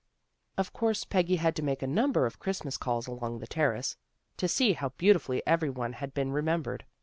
Of course Peggy had to make a number of Christmas calls along the Terrace, to see how beautifully everyone had been remembered.